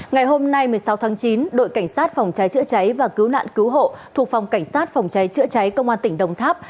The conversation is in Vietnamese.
ngày hôm nay một mươi sáu tháng chín đội cảnh sát phòng cháy chữa cháy và cứu nạn cứu hộ thuộc phòng cảnh sát phòng cháy chữa cháy công an tỉnh đồng tháp